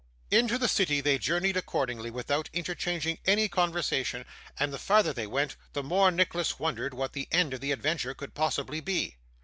Into the city they journeyed accordingly, without interchanging any conversation; and the farther they went, the more Nicholas wondered what the end of the adventure could possibly be.